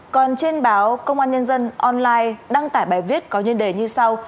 còn trên báo công an nhân dân online đăng tải bài viết có nhân đề như sau